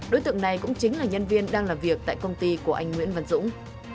đối tượng này cũng chính là nhân viên đang làm việc tại công ty của anh nguyễn văn dũng